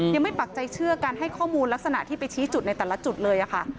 ปักใจเชื่อการให้ข้อมูลลักษณะที่ไปชี้จุดในแต่ละจุดเลยค่ะ